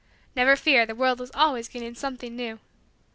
Never fear, the world is getting something new!